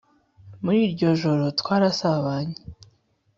muri iryo joro twarasabanye